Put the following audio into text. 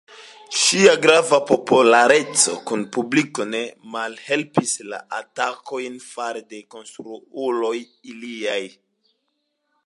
Ŝia granda populareco kun publiko ne malhelpis la atakojn fare de kontraŭuloj iliaj.